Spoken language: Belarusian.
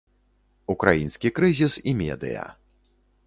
Украінскі крызіс і медыя.